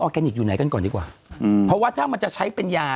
แกนิคอยู่ไหนกันก่อนดีกว่าอืมเพราะว่าถ้ามันจะใช้เป็นยา